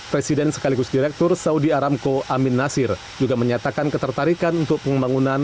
presiden sekaligus direktur saudi aramco amin nasir juga menyatakan ketertarikan untuk pembangunan